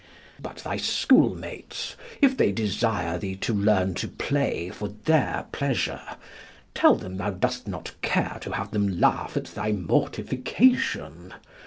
But thy schoolmates, if they desire thee to learn to play for their pleasure, tell them thou dost not care to have them laugh at thy mortification.